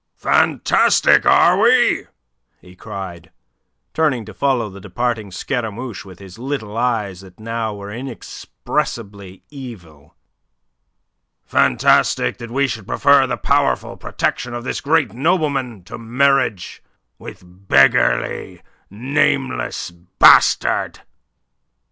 "Fantastic, are we?" he cried, turning to follow the departing Scaramouche with his little eyes that now were inexpressibly evil. "Fantastic that we should prefer the powerful protection of this great nobleman to marriage with a beggarly, nameless bastard.